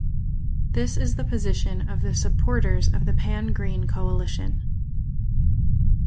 This is the position of the supporters of the Pan-Green coalition.